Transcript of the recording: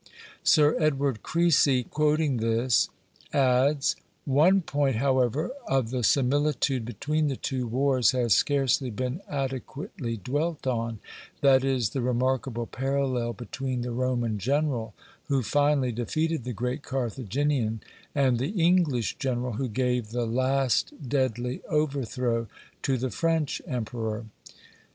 Sir Edward Creasy, quoting this, adds: "One point, however, of the similitude between the two wars has scarcely been adequately dwelt on; that is, the remarkable parallel between the Roman general who finally defeated the great Carthaginian, and the English general who gave the last deadly overthrow to the French emperor.